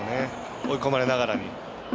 追い込まれながらに。